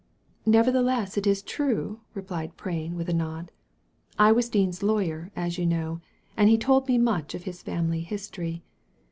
« Nevertheless it is true," replied Prain, with a nod. " I was Dean's lawyer, as you know, and he told me much of his family history.